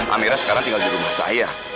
amera sekarang tinggal di rumah saya